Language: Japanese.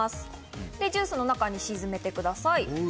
そしてジュースの中に沈めてください。